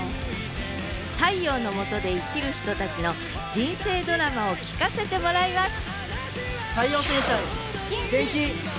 太陽の下で生きる人たちの人生ドラマを聞かせてもらいます